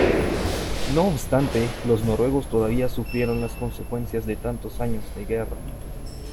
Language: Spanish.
No obstante, los noruegos todavía sufrieron las consecuencias de tantos años de guerra.